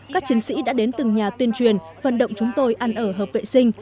các chiến sĩ đã đến từng nhà tuyên truyền vận động chúng tôi ăn ở hợp vệ sinh